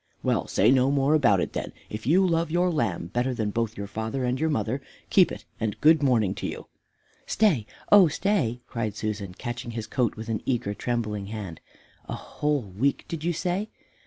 "Well, say no more about it, then; if you love your lamb better than both your father and your mother, keep it, and good morning to you." "Stay, oh stay!" cried Susan, catching his coat with an eager, trembling hand "a whole week, did you say?